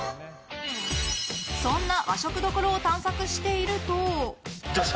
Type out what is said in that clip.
そんな和食どころを探索していると。